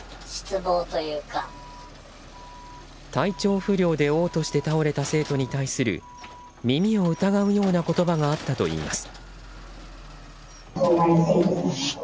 体調不良で嘔吐して倒れた生徒に対する耳を疑うような言葉があったといいます。